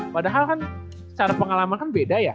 padahal kan secara pengalaman kan beda ya